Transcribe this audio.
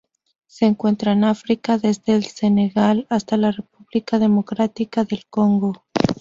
Se encuentran en África: desde el Senegal hasta la República Democrática del Congo.